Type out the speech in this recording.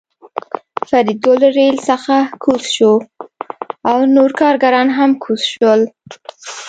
فریدګل له ریل څخه کوز شو او نور کارګران هم کوز شول